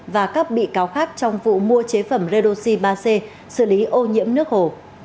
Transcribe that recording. và các bị cáo khác trong vụ mua chế phẩm redoxi ba c xử lý ô nhiễm nước hồ